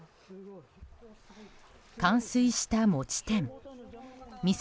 冠水した餅店。